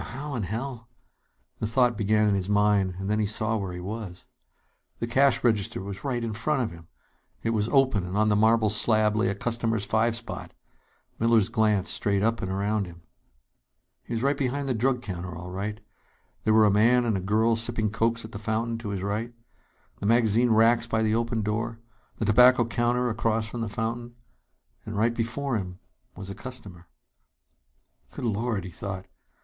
"Now, how in hell " The thought began in his mind; and then he saw where he was. The cash register was right in front of him! It was open, and on the marble slab lay a customer's five spot. Miller's glance strayed up and around him. He was behind the drug counter, all right. There were a man and a girl sipping cokes at the fountain, to his right; the magazine racks by the open door; the tobacco counter across from the fountain. And right before him was a customer. Good Lord! he thought.